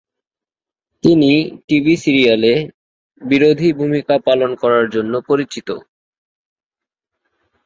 তিনি টিভি সিরিয়ালে বিরোধী ভূমিকা পালন করার জন্য পরিচিত।